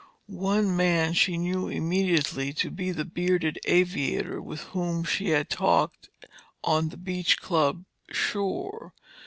One man she knew immediately to be the bearded aviator with whom she had talked on the Beach Club shore.